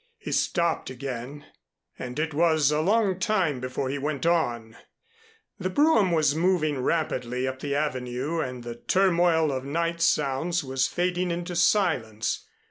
He stopped again, and it was a long time before he went on. The brougham was moving rapidly up the Avenue and the turmoil of night sounds was fading into silence.